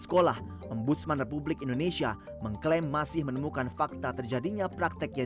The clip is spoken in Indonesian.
sekolah ombudsman republik indonesia mengklaim masih menemukan fakta terjadinya praktek yang